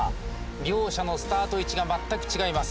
両者のスタート位置が全く違います。